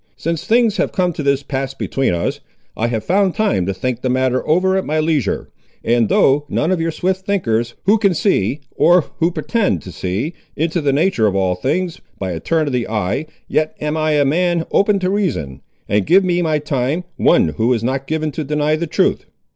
Since things have come to this pass between us, I have found time to think the matter over at my leisure, and though none of your swift thinkers, who can see, or who pretend to see, into the nature of all things, by a turn of the eye, yet am I a man open to reason, and give me my time, one who is not given to deny the truth.